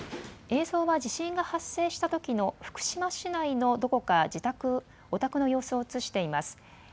映像は地震が発生したときの福島市内のどこか自宅、お宅の様子を映しています。